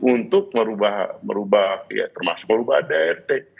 untuk merubah ya termasuk merubah adrt